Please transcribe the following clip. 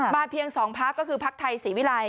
เพียง๒พักก็คือพักไทยศรีวิรัย